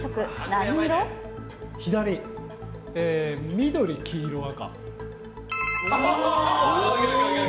緑、黄色、赤。